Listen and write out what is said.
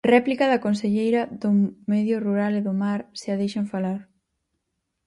Réplica da conselleira do Medio Rural e do Mar, se a deixan falar.